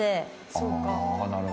そうか。